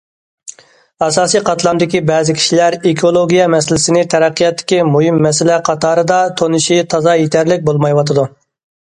ئاساسىي قاتلامدىكى بەزى كىشىلەر ئېكولوگىيە مەسىلىسىنى تەرەققىياتتىكى مۇھىم مەسىلە قاتارىدا تونۇشى تازا يېتەرلىك بولمايۋاتىدۇ.